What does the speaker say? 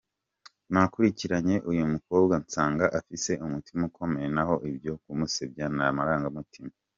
nakurikiranye uyu mukobwa nsanga afise umutima ukomeye naho ibyo kumusebya namaranga mutima .